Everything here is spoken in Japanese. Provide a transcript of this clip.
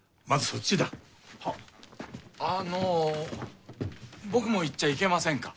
あの僕も行っちゃいけませんか？